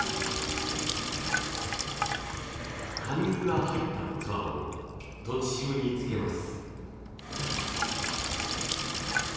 貫入が入った器を栃渋につけます。